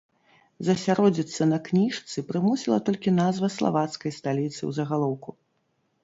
Засяродзіцца на кніжцы прымусіла толькі назва славацкай сталіцы ў загалоўку.